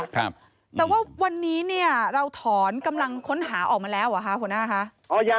ครับแต่ว่าวันนี้เนี่ยเราถอนกำลังค้นหาออกมาแล้วเหรอคะหัวหน้าคะ